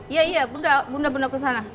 iya iya bunda bunda kusama aku